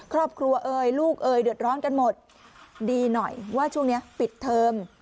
เอ่ยลูกเอยเดือดร้อนกันหมดดีหน่อยว่าช่วงนี้ปิดเทอม